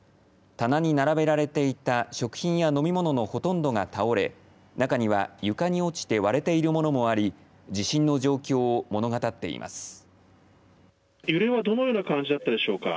棚に並べられていた食品や飲み物のほとんどが倒れ中には床に落ちて割れているものもあり地震の状況を物語っています。